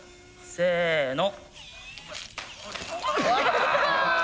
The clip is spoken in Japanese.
せの。